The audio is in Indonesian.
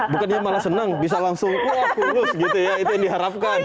bukannya malah senang bisa langsung kuah kurus gitu ya itu yang diharapkan